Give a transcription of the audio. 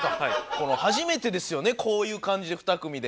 この初めてですよねこういう感じで２組で。